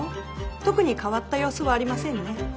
特に変わった様子はありませんね。